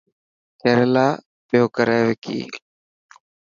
ڪيريلا پيو ڪري وڪي.